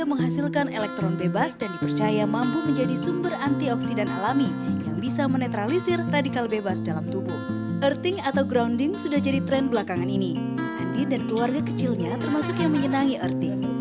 jadi tren belakangan ini andin dan keluarga kecilnya termasuk yang menyenangi earthing